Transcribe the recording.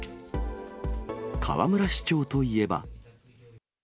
河村市長といえば。